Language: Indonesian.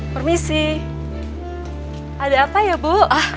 permisi ada apa ya bu